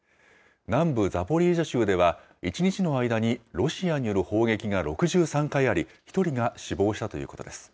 南部ザポリージャ州では、１日の間にロシアによる砲撃が６３回あり、１人が死亡したということです。